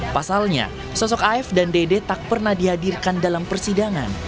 pasalnya sosok af dan dede tak pernah dihadirkan dalam persidangan